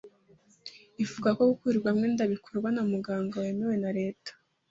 Ivuga ko gukurirwamo inda bikorwa na muganga wemewe na Leta.